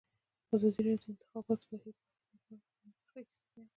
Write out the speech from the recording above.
ازادي راډیو د د انتخاباتو بهیر په اړه د نېکمرغۍ کیسې بیان کړې.